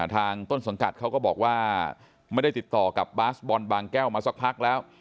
ต้นสังกัดเขาก็บอกว่าไม่ได้ติดต่อกับบาสบอลบางแก้วมาสักพักแล้ว